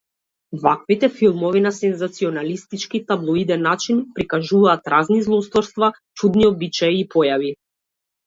Ваквите филмови на сензационалистички и таблоиден начин прикажуваат разни злосторства, чудни обичаи и појави.